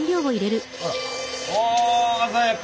あ鮮やか！